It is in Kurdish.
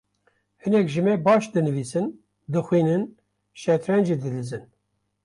Hinek ji me baş dinivîsin, dixwînin, şetrancê dilîzin.